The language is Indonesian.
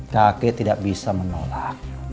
kakek tidak bisa menolak